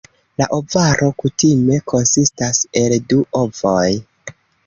La ovaro kutime konsistas el du ovoj.